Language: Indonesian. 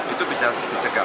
itu bisa dijaga